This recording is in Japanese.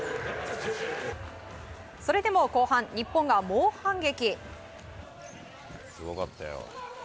それでも後半、日本が猛反撃。